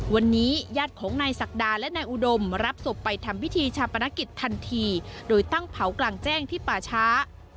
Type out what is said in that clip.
วันนี้ญาติของนายศักดาและนายอุดมรับศพไปทำพิธีชาปนกิจทันทีโดยตั้งเผากลางแจ้งที่ป่าช้า